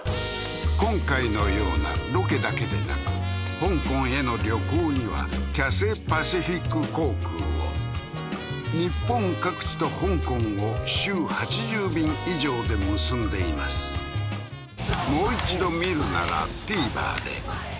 今回のようなロケだけでなく香港への旅行にはキャセイパシフィック航空を日本各地と香港を週８０便以上で結んでいます「ポリデント」